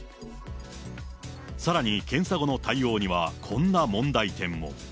さらに検査後の対応には、こんな問題点も。